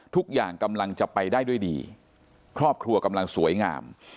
ทุกอย่างกำลังจะไปได้ด้วยดีครอบครัวกำลังสวยงาม